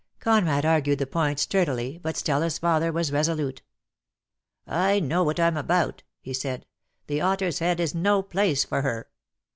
Conrad argued the point sturdily, but Stella's father was resolute. "I know what I'm about," he said. "The 'Otter's Head' is no place for her.